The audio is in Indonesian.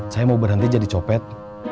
saya mau berhenti jadi copet